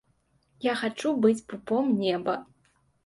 Я хачу быць пупом неба.